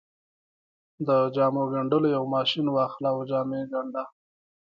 د جامو ګنډلو يو ماشين واخله او جامې ګنډه.